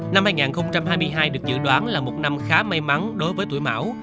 năm hai nghìn hai mươi hai được dự đoán là một năm khá may mắn đối với tuổi mão